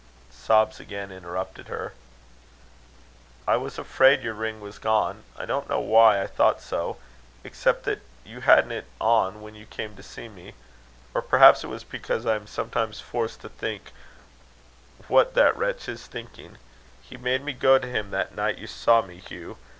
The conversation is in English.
Sobs again interrupted her. "I was afraid your ring was gone. I don't know why I thought so, except that you hadn't it on, when you came to see me. Or perhaps it was because I am sometimes forced to think what that wretch is thinking. He made me go to him that night you saw me, Hugh.